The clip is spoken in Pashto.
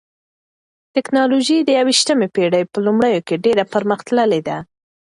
ټکنالوژي د یوویشتمې پېړۍ په لومړیو کې ډېره پرمختللې ده.